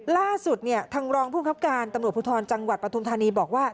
ล่าสุดทางลองมุมคับการตำรวจภูทรจังหวัดปทมธานีบอกว่า